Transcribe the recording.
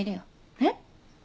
えっ？